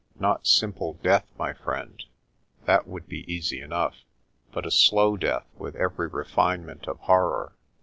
Not simple death, my friend that would be easy enough but a slow death with every refine ment of horror.